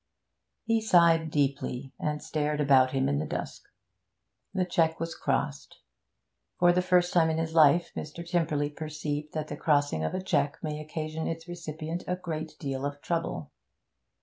He sighed deeply, and stared about him in the dusk. The cheque was crossed. For the first time in his life Mr. Tymperley perceived that the crossing of a cheque may occasion its recipient a great deal of trouble.